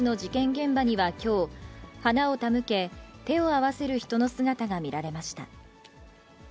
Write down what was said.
現場にはきょう、花を手向け、手を合わせる人の姿が見られました。